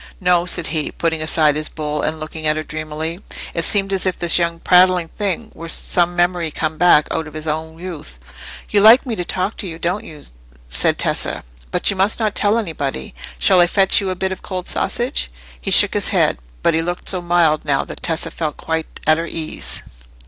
"No," said he, putting aside his bowl, and looking at her dreamily. It seemed as if this young prattling thing were some memory come back out of his own youth. "You like me to talk to you, don't you?" said Tessa, "but you must not tell anybody. Shall I fetch you a bit of cold sausage?" He shook his head, but he looked so mild now that Tessa felt quite at her ease.